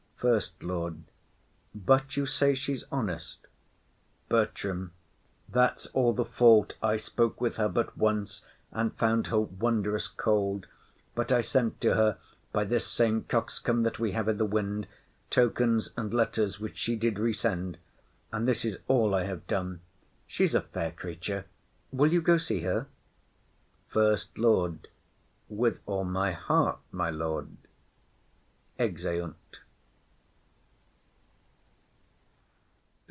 SECOND LORD. But you say she's honest. BERTRAM. That's all the fault. I spoke with her but once, And found her wondrous cold, but I sent to her By this same coxcomb that we have i' the wind Tokens and letters which she did re send, And this is all I have done. She's a fair creature; Will you go see her? SECOND LORD. With all my heart, my lord. [_Exeunt.